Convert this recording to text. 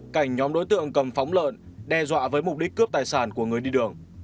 cảnh nhóm đối tượng cầm phóng lợn đe dọa với mục đích cướp tài sản của người đi đường